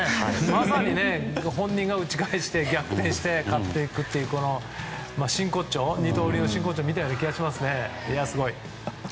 まさに本人が打ち返して逆転して勝っていくという二刀流の真骨頂を見たような気がしますねいやあ、すごい。